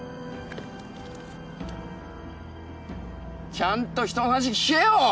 ちゃんと人の話聞けよ！